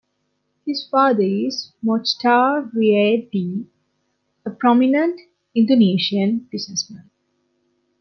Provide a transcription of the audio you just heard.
His father is Mochtar Riady, a prominent Indonesian businessman.